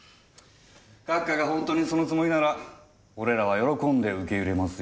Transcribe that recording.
閣下が本当にそのつもりなら俺らは喜んで受け入れますよ。